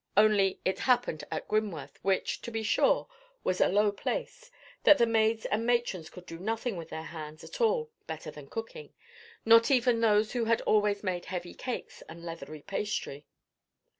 Only it happened at Grimworth, which, to be sure, was a low place, that the maids and matrons could do nothing with their hands at all better than cooking: not even those who had always made heavy cakes and leathery pastry.